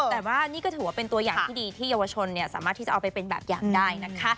แต่ว่านี่ก็ถือว่าเป็นตัวอย่างที่ดีที่เยาวชนสามารถที่จะเอาไปเป็นแบบอย่างได้นะคะ